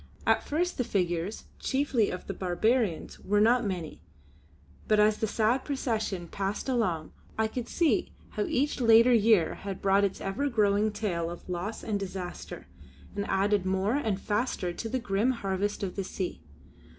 At first the figures, chiefly of the barbarians, were not many; but as the sad procession passed along I could see how each later year had brought its ever growing tale of loss and disaster, and added more and faster to the grim harvest of the sea.